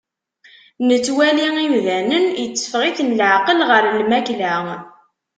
Nettwali imdanen, itteffeɣ-iten leɛqel ɣer lmakla.